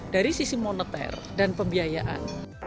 dari sisi moneter dan pembiayaan